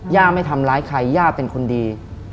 ไม่ทำร้ายใครย่าเป็นคนดี